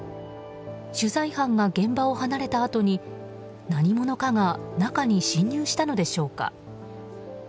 取材班が現場を離れたあとに何者かが中に侵入したのでしょうか。